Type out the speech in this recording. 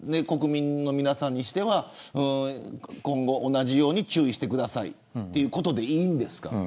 国民の皆さんにしては今後同じように注意してくださいということでいいんですか。